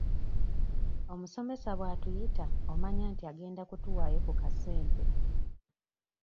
Omusomesa bw'atuyita omanya nti agenda kutuwaayo ku ka sente.